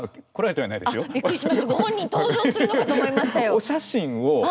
お写真を。